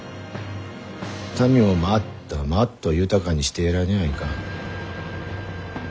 民もまっとまっと豊かにしてやらにゃあいかん。